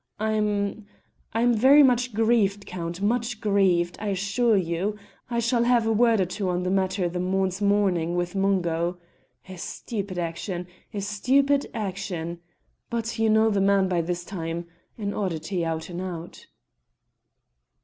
I'm I'm very much grieved, Count, much grieved, I assure you: I shall have a word or two on the matter the morn's morning with Mungo. A stupid action! a stupid action! but you know the man by this time an oddity out and out."